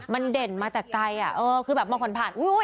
มันเด่นมาแต่ไกลอ่ะเออคือแบบมาผ่อนผัน